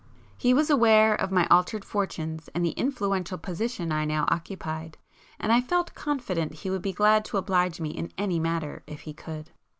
He was aware of my altered fortunes and the influential position I now occupied, and I felt confident he would be glad to oblige me in any matter if he could.